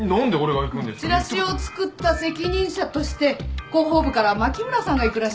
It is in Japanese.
チラシを作った責任者として広報部から牧村さんが行くらしいですよ。